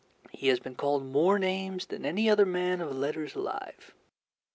He has been called more names than any other man of letters alive.